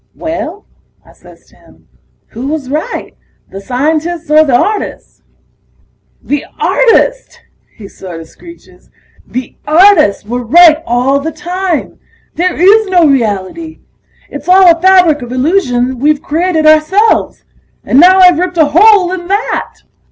"Well," I says to him, "who was right, the scientists or the artists?" "The artists!" he sorta screeches. "The artists were right all the time ... there is no reality! It's all a fabric of illusion we've created ourselves! And now I've ripped a hole in that!"